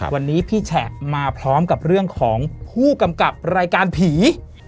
วันนี้พี่แฉะมาพร้อมกับเรื่องของผู้กำกับรายการผี